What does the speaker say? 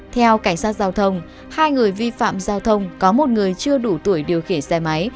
theo cảnh sát giao thông hai người vi phạm giao thông có một người chưa đủ tuổi điều khiển xe máy